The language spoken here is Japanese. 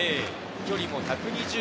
距離も１２０ｍ。